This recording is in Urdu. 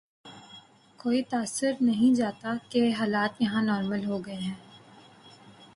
کوئی تاثر نہیں جاتا کہ حالات یہاں نارمل ہو گئے ہیں۔